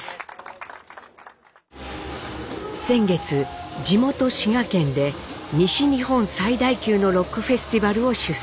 先月地元滋賀県で西日本最大級のロックフェスティバルを主催。